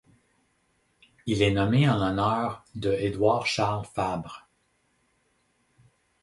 Il est nommé en l'honneur de Édouard-Charles Fabre.